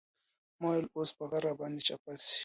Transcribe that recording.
ما ويل اوس به غر راباندې چپه سي.